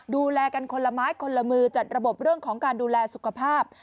ดูแลกันคนละไม้คนละมือจัดระบบเรื่องของการดูแลสุขภาพ